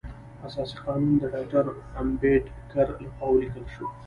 اساسي قانون د ډاکټر امبیډکر لخوا ولیکل شو.